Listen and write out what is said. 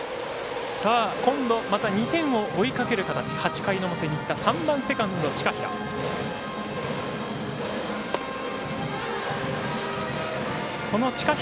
今度また２点を追いかける形８回の表、新田３番セカンド、近平。